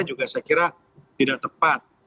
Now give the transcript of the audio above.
juga saya kira tidak tepat